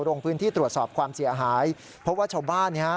ลงพื้นที่ตรวจสอบความเสียหายเพราะว่าชาวบ้านเนี่ยฮะ